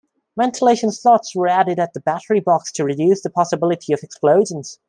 Ventilation slots were added at the battery box to reduce the possibility of explosions.